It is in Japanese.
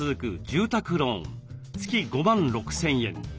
住宅ローン月５万６，０００円。